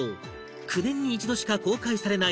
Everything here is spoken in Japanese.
９年に一度しか公開されない